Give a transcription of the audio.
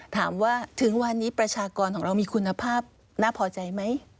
ถามว่าถึงวันนี้ประชากรของเรามีคุณภาพน่าพอใจไหม